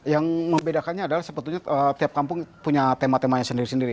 yang membedakannya adalah sebetulnya tiap kampung punya tema temanya sendiri sendiri